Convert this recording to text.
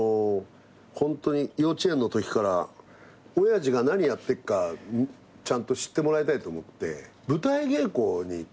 ホントに幼稚園のときから親父が何やってっかちゃんと知ってもらいたいと思って舞台稽古に来させた。